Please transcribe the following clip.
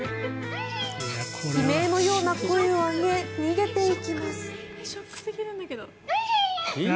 悲鳴のような声を上げ逃げていきます。